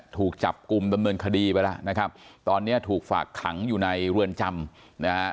ถูกจับกลุ่มดำเนินคดีไปแล้วนะครับตอนนี้ถูกฝากขังอยู่ในเรือนจำนะฮะ